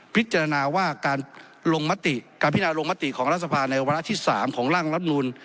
พิจารณาว่าการพินาลงมติของรัฐสภาในวันอาทิตย์๓ของร่างรัฐนุน